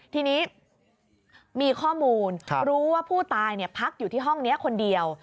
ทีนี้มีข้อมูลรู้ว่าผู้ตายพักอยู่ที่ห้องนี้คนเดียว